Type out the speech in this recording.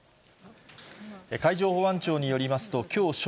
海上保安庁によりますときょう正